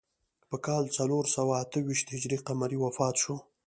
په کال څلور سوه اته ویشت هجري قمري وفات شو.